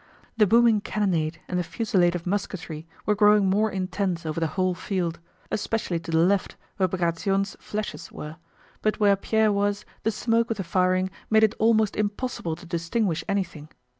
The booming cannonade and the fusillade of musketry were growing more intense over the whole field, especially to the left where Bagratión's flèches were, but where Pierre was the smoke of the firing made it almost impossible to distinguish anything.